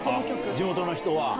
地元の人は。